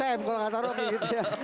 anak sm kalau tidak taruh begitu ya